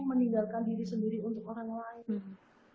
meninggalkan diri sendiri untuk orang lain